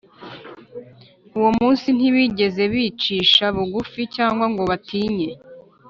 Uwo munsi ntibigeze bicisha bugufi cyangwa ngo batinye